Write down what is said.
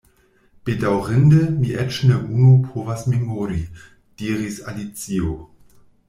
"Bedaŭrinde, mi eĉ ne unu povas memori," diris Alicio.